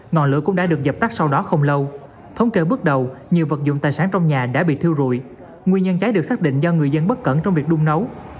ngọn lửa cũng đã được dập tắt sau đó không lâu thống kê bước đầu nhiều vật dụng tài sản trong nhà đã bị thiêu rụi nguyên nhân cháy được xác định do người dân bất cẩn trong việc đung nấu